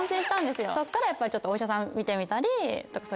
そっからちょっとお医者さん見てみたり。